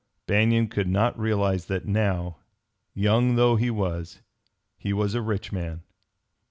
Banion could not realize that now, young though he was, he was a rich man.